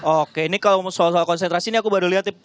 oke ini soal konsentrasi nya aku baru lihat